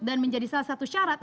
dan menjadi salah satu syarat